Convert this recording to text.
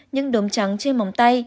bốn những đốm trắng trên móng tay